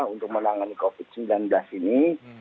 untuk menangani covid sembilan belas ini